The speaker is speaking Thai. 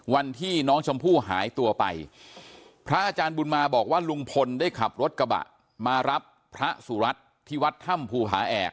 วันที่น้องชมพู่หายตัวไปพระอาจารย์บุญมาบอกว่าลุงพลได้ขับรถกระบะมารับพระสุรัตน์ที่วัดถ้ำภูผาแอก